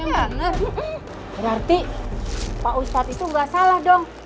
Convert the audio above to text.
berarti pak ustad itu gak salah dong